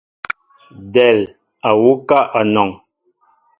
Del á wuká anɔn.